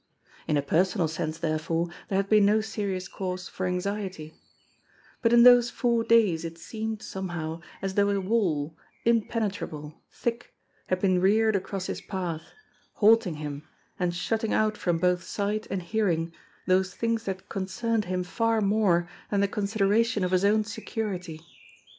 In a personal sense, therefore, there had been no serious cause for anxiety; but in those four days it seemed, some how, as though a wall, impenetrable, thick, had been reared across his path, halting him, and shutting out from both sight and hearing those things that concerned him far more than the consideration of his own security.